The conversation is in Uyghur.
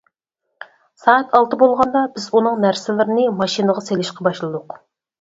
سائەت ئالتە بولغاندا بىز ئۇنىڭ نەرسىلىرىنى ماشىنىغا سېلىشقا باشلىدۇق.